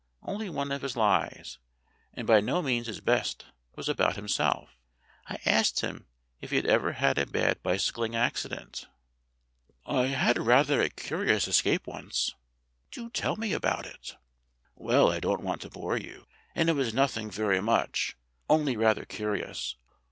Only one of his lies and by no means his best was about himself. I asked him if he had ever had any bad bicycling accident. "I had rather a curious escape once." "Do tell me about it." "Well, I don't want to bore you, and it was nothing very much only rather curious.